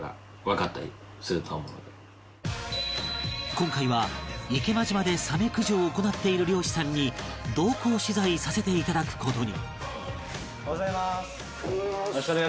今回は池間島でサメ駆除を行っている漁師さんに同行取材させていただく事に